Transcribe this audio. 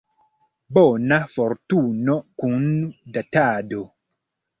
Bona fortuno kun Datado.